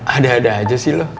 ada ada aja sih lo